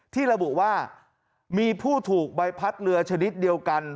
ระบุว่ามีผู้ถูกใบพัดเรือชนิดเดียวกัน